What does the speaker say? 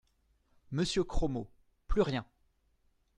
Monsieur Cromot, plus rien.